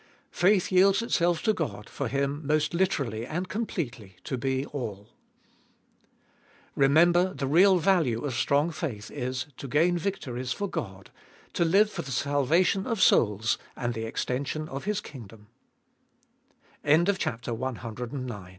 Faith yields itself to God for Him most literally and completely to be All. 4. Remember the real value of strong faith is — to gain victories for God, to Hue for the salva tion of souls and the extension of His